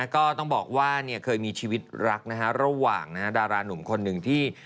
ก็ต้องบอกว่าเคยมีชีวิตรักนะฮะระหว่างดารานุ่มคนหนึ่งที่